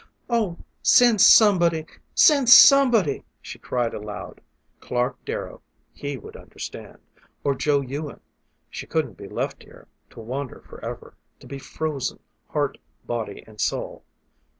"Oh, send somebody send somebody!" she cried aloud. Clark Darrow he would understand; or Joe Ewing; she couldn't be left here to wander forever to be frozen, heart, body, and soul.